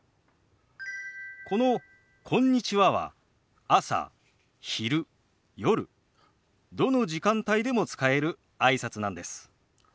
この「こんにちは」は朝昼夜どの時間帯でも使えるあいさつなんです。